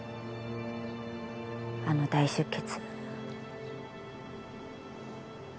あの大出血。